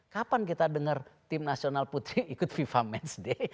kapan kita dengar tim nasional putri ikut fifa matchday